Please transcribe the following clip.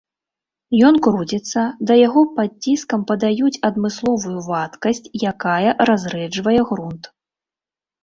Ён круціцца, да яго пад ціскам падаюць адмысловую вадкасць, якая разрэджвае грунт.